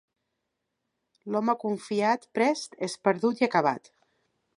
L'home confiat prest és perdut i acabat.